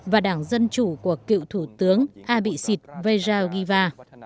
và đảng dân chủ của cựu thủ tướng abisit vejagiva